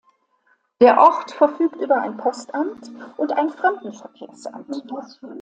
Der Ort verfügt über ein Postamt und ein Fremdenverkehrsamt.